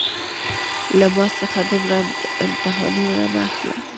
له ما څخه دومره امتحانونه مه اخله